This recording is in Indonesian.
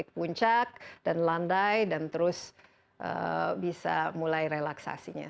kita sudah mencapai titik puncak dan landai dan terus bisa mulai relaksasinya